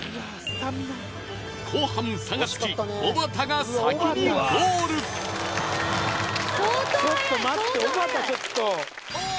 後半差がつきおばたが先にゴールちょっと待っておばたちょっとおっ！